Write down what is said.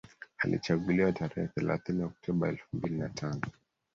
Alichaguliwa tarehe thelathini Oktoba ya elfu mbili na tano